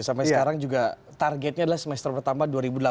sampai sekarang juga targetnya adalah semester pertama dua ribu delapan belas